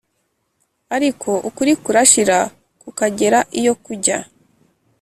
ariko ukuri kurashira kukagera iyo kujya.